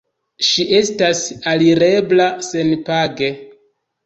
Ŝi estas alirebla senpage.